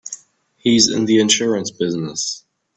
He's in the insurance business.